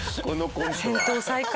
戦闘再開。